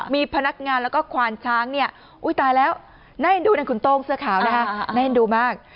มีพนักงานแล้วก็ควานช้างเนี่ยอุ้ยตายแล้วน่าเอ็นดูนั่นคุณโต้งเสื้อขาวนะคะน่าเอ็นดูมาก